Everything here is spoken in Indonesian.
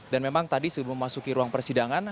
dan memang tadi sebelum memasuki ruang persidangan